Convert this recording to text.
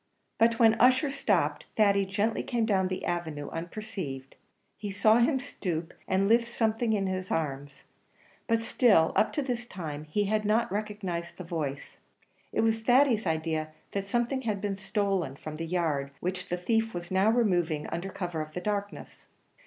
But when Ussher stopped, Thady gently came down the avenue unperceived; he saw him stoop, and lift something in his arms, but still up to this time he had not recognised the voice. It was Thady's idea that something had been stolen from the yard, which the thief was now removing, under cover of the darkness.